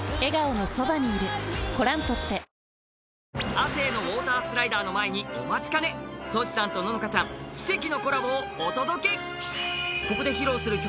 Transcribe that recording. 亜生のウォータースライダーの前にお待ちかねＴｏｓｈｌと、ののかちゃん奇跡のコラボをお届け！